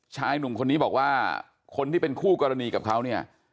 ชายหนุ่มคนนี้บอกว่าคนที่เป็นคู่กรณีกับเขาเนี่ย